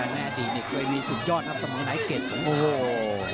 แน่ดีมีสุดยอดนะเสมอไหนเกรดสงคราม